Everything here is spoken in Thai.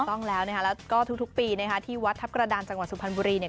ถูกต้องแล้วแล้วก็ทุกปีที่วัดทัพกระดานจังหวัดสุพรรณบุรี